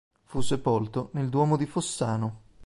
Fu sepolto nel duomo di Fossano.